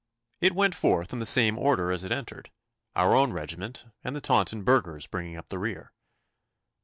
It went forth in the same order as it entered, our own regiment and the Taunton burghers bringing up the rear.